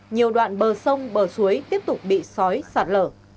nhiều đoạn bờ sông bờ suối tiếp tục bị sói sạt lở